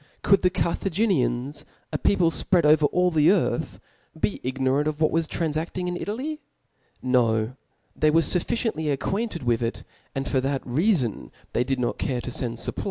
Could the Carthaginians, a people fpread over all the earthi be ignorant of what was tranfafting in Italy ? No : ^hey were fufficiently acquainted with )C, ai)d for that reafon they did not cafe tp fend fupplies to Hannibal.